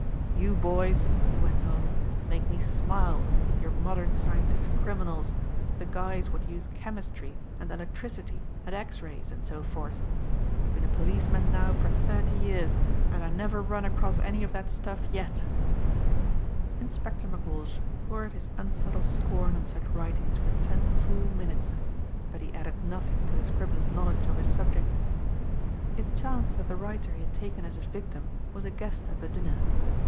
"You boys," he went on, "make me smile with your modern scientific criminals, the guys what use chemistry and electricity and x rays and so forth. I've been a policeman now for thirty years and I never run across any of that stuff yet." Inspector McWalsh poured his unsubtle scorn on such writings for ten full minutes. But he added nothing to the Scribblers' knowledge of his subject. It chanced that the writer he had taken as his victim was a guest at the dinner.